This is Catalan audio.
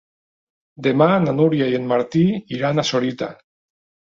Demà na Núria i en Martí iran a Sorita.